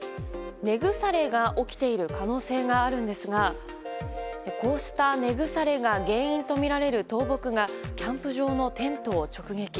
根腐れが起きている可能性があるんですがこうした根腐れが原因とみられる倒木がキャンプ場のテントを直撃。